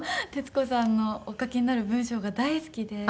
徹子さんのお書きになる文章が大好きで。